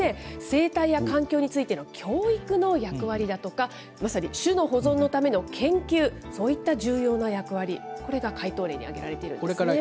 生態や環境についての教育の役割だとか、まさに種の保存のための研究、そういった重要な役割、これが解答例に挙げられているんですね。